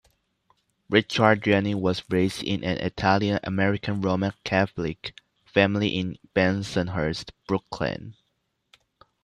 Richard Jeni was raised in an Italian-American Roman Catholic family in Bensonhurst, Brooklyn.